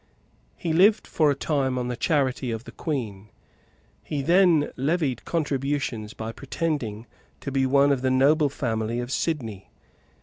He lived for a time on the charity of the Queen. He then levied contributions by pretending to be one of the noble family of Sidney.